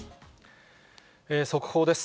速報です。